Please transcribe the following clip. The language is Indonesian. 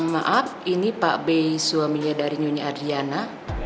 maaf ini pak b suaminya dari nyonya adriana